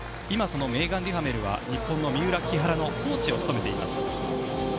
今、そのメーガン・デュハメルは日本の三浦、木原のコーチを務めています。